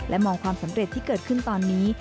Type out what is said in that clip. มองความสำเร็จที่เกิดขึ้นตอนนี้